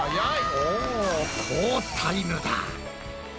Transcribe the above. お好タイムだ。